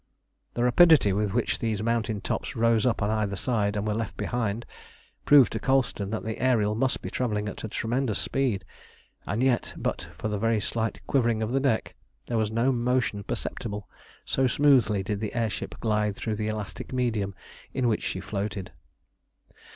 The rapidity with which these mountain tops rose up on either side, and were left behind, proved to Colston that the Ariel must be travelling at a tremendous speed, and yet, but for a very slight quivering of the deck, there was no motion perceptible, so smoothly did the air ship glide through the elastic medium in which she floated.